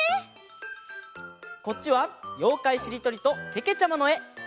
こっちは「ようかいしりとり」とけけちゃまのえ！